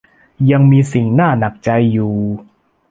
ยังมีสิ่งน่าหนักใจอยู่